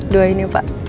doain ya pak